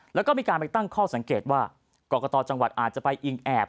แล้วก็มีการไปตั้งข้อสังเกตว่ากรกตจังหวัดอาจจะไปอิงแอบ